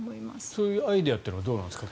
そういうアイデアというのはどうなんですか。